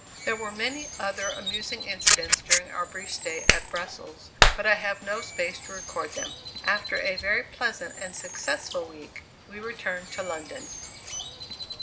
There were many other amusing incidents during our brief stay at Brussels, but I have no space to record them. After a very pleasant and successful week, we returned to London.